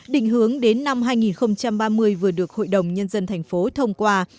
định hướng đến năm hai nghìn ba mươi vừa được hội đồng nhân dân thành phố thông qua